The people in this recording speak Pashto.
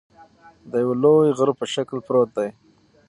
د یوه لوی غره په شکل پروت دى